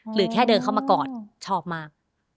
หรือแค่เดินเข้ามากอดชอบมาก